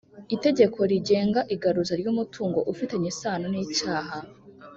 Itegeko rigenga igaruza ry umutungo ufitanye isano n icyaha